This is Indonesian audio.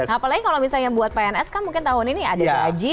apalagi kalau misalnya buat pns kan mungkin tahun ini ada gaji